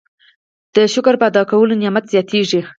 د شکر په ادا کولو نعمت زیاتیږي.